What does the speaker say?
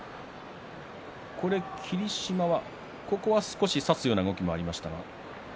霧島は少し差すような動きもありました。